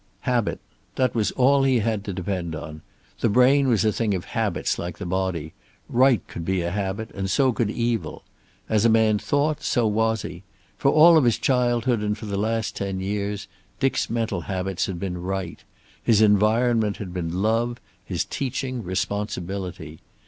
Habit. That was all he had to depend on. The brain was a thing of habits, like the body; right could be a habit, and so could evil. As a man thought, so he was. For all of his childhood, and for the last ten years, Dick's mental habits had been right; his environment had been love, his teaching responsibility.